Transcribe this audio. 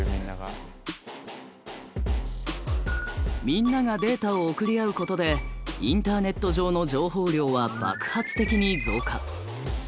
みんながデータを送り合うことでインターネット上の情報量は爆発的に増加。